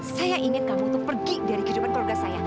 saya ingin kamu untuk pergi dari kehidupan keluarga saya